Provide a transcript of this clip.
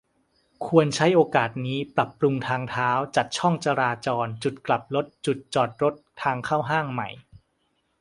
ควรใช้โอกาสนี้ ปรับปรุงทางเท้า จัดช่องจราจร-จุดกลับรถ-จุดจอดรถ-ทางเข้าห้างใหม่